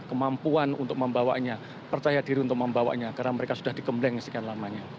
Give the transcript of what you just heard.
kemampuan untuk membawanya percaya diri untuk membawanya karena mereka sudah dikembleng sekian lamanya